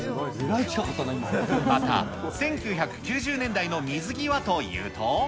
また、１９９０年代の水着はというと。